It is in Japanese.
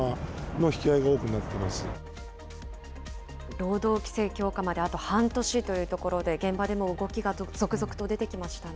労働規制強化まであと半年というところで、現場でも動きが続々と出てきましたね。